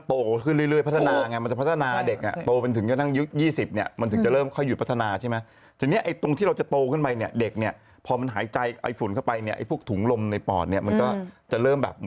เพราะว่าคุณภาพปอดมันแย่เลยเพราะว่า